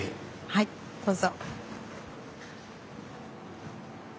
はいどうぞ。